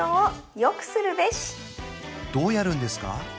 どうやるんですか？